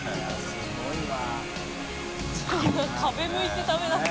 すごいわ。